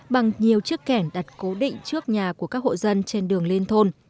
bằng nhiều chiếc kẻn đặt cố định trước nhà của các hộ dân trên đường lên thôn